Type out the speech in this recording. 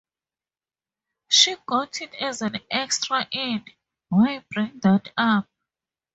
She got it as an extra in "Why Bring That Up?".